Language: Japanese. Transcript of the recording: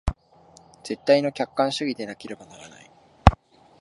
絶対の客観主義でなければならない。